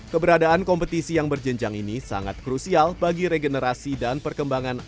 keberadaan kompetisi yang berjenjang ini sangat krusial bagi regenerasi dan perkembangan